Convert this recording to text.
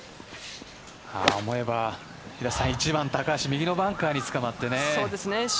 思えば１番高橋右のバンカーにつかまってね。